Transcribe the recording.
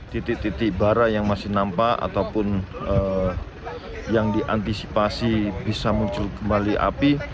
titik titik bara yang masih nampak ataupun yang diantisipasi bisa muncul kembali api